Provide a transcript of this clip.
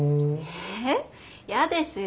えやですよ。